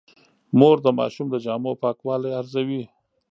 مور د ماشوم د جامو پاکوالی ارزوي.